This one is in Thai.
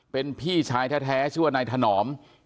เป็นพี่ชายแท้ชื่อว่านายถนอม